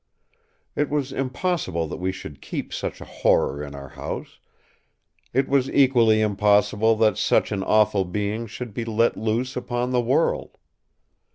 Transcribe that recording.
It was impossible that we should keep such a horror in our house; it was equally impossible that such an awful being should be let loose upon the world.